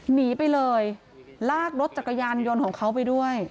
หนีไปเลยลากรถจักรยานยนต์ของเขาไปด้วย